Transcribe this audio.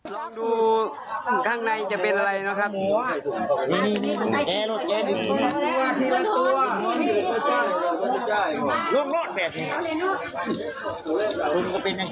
ลองดูข้างในจะเป็นอะไรนะครับ